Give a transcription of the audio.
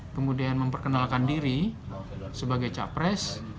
kemudian memperkenalkan diri sebagai capres